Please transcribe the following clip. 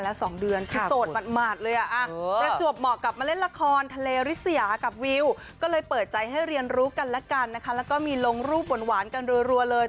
แล้วจวบเหมาะกัดมาเล่นละครทะเลริษยากับวิวก็เลยเปิดใจให้เรียนรู้กันแล้วก็มีรองรูปวนหวานกันเรือเลย